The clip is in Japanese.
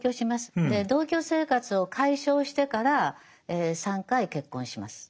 同居生活を解消してから３回結婚します。